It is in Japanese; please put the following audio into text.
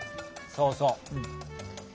そうそう。